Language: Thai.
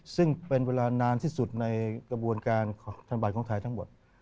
ซึ่งเป็นเวลานานที่สุดในกระบวนการของธนบัตรของไทยทั้งหมด